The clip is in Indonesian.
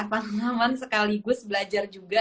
pengalaman sekaligus belajar juga